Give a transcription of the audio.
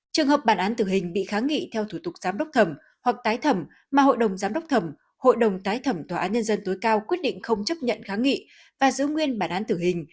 trường hợp bản án tử hình bị kháng nghị theo thủ tục giám đốc thẩm hoặc tái thẩm mà hội đồng giám đốc thẩm hội đồng tái thẩm tòa án nhân dân tối cao quyết định không chấp nhận kháng nghị và giữ nguyên bản án tử hình